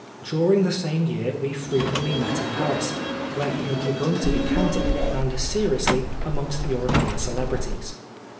During the same year we frequently met in Paris, where he had now begun to be counted, and seriously, amongst European celebrities.